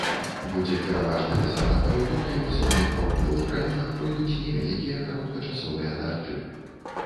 Будзе пераважна без ападкаў, толькі ў асобных паўднёвых раёнах пройдуць невялікія кароткачасовыя дажджы.